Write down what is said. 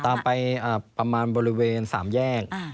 ตามไปประมาณบริเวณ๓แยก